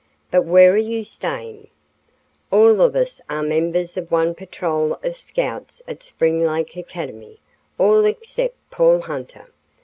"But where are you staying?" "All of us are members of one patrol of Scouts at Spring Lake Academy, all except Paul Hunter.